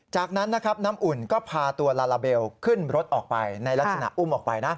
จากนั้นนะครับน้ำอุ่นก็พาตัวลาลาเบลขึ้นรถออกไปในลักษณะอุ้มออกไปนะ